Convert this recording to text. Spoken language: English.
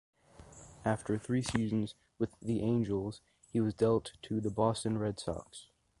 After three seasons with the Angels, he was dealt to the Boston Red Sox.